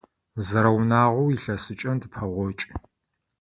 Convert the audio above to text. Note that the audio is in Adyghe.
Зэрэунагъоу илъэсыкӏэм тыпэгъокӏы.